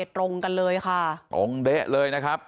ตรงแรกเลยนะครับ